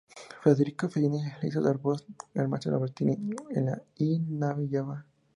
Federico Fellini le hizo dar voz al Maestro Albertini en "Y la nave va".